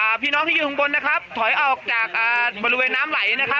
พี่น้องที่ยืนข้างบนนะครับถอยออกจากอ่าบริเวณน้ำไหลนะครับ